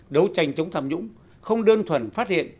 đấu tranh chống tham nhũng không đơn thuần phát hiện